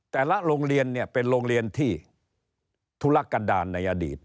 แต่ละโรงเรียนเนี่ยเป็นโรงเรียนที่ทุลกันดาลในอดีต